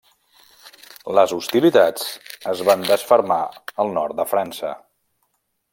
Les hostilitats es van desfermar al nord de França.